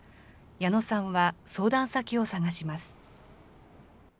矢野さんは相談先を探します。